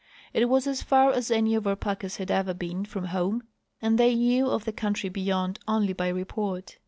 It was as far as any of our packers had ever been from home and they knew of the country beyond only by report.